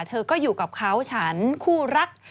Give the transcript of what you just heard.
เธอก็อยู่กับเขาฉันคู่รัก